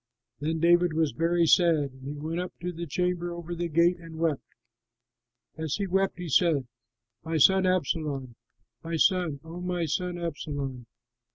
Then David was very sad and went up to the chamber over the gate and wept. As he wept he said, "My son Absalom, my son, O my son Absalom!